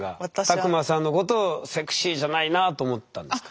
卓馬さんのことを「セクシーじゃないな」と思ったんですか？